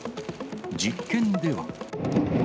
実験では。